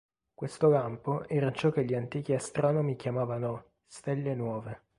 Questo lampo era ciò che gli antichi astronomi chiamavano "stelle nuove".